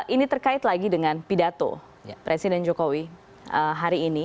ini terkait lagi dengan pidato presiden jokowi hari ini